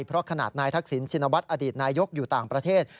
เพราะขนาดนายทักษิณชินวัฒน์อดีตนายกอยู่ต่างประเทศ